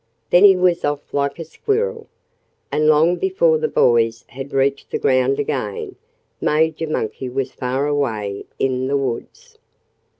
Then he was off like a squirrel. And long before the boys had reached the ground again Major Monkey was far away in the woods.